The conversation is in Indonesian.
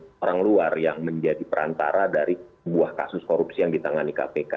dan ke orang luar yang menjadi perantara dari buah kasus korupsi yang ditangani kpk